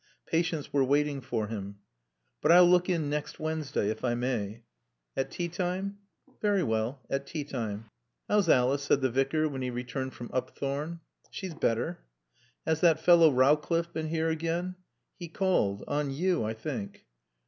Patients were waiting for him. "But I'll look in next Wednesday, if I may." "At teatime?" "Very well at teatime." "How's Alice?" said the Vicar when he returned from Upthorne. "She's better." "Has that fellow Rowcliffe been here again?" "He called on you, I think."